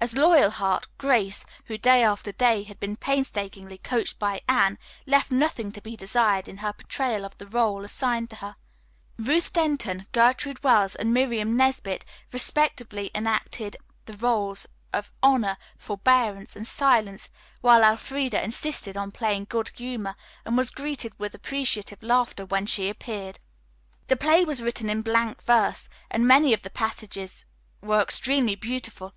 As Loyalheart, Grace, who, day after day, had been painstakingly coached by Anne, left nothing to be desired in her portrayal of the role assigned to her. Ruth Denton, Gertrude Wells, and Miriam Nesbit, respectively, enacted the roles of Honor, Forbearance and Silence, while Elfreda insisted on playing Good Humor, and was greeted with appreciative laughter whenever she appeared. The play was written in blank verse, and many of the passages were extremely beautiful.